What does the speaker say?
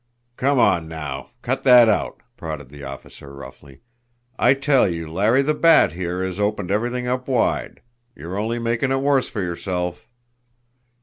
"Come on now, cut that out!" prodded the officer roughly. "I tell you Larry the Bat, here, has opened everything up wide. You're only making it worse for yourself."